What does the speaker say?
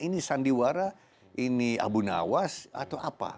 ini sandiwara ini abu nawas atau apa